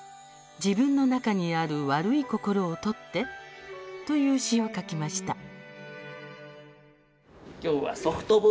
「自分の中にある悪い心を取って」という詩を書きました。